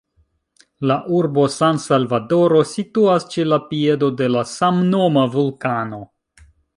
La urbo San-Salvadoro situas ĉe la piedo de la samnoma vulkano.